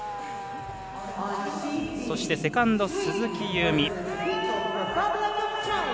そして、セカンド鈴木夕湖。